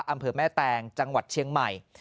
อำเภอแม่แตงจังหวัดเชียงใหม่